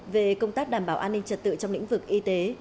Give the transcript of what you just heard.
về công tác đảm bảo an ninh trật tự trong lĩnh vực y tế